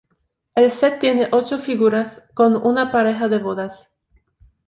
El set tiene ocho figuras con una pareja de bodas.